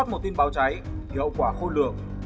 gọi đến một tin báo cháy thì hậu quả khôi lượng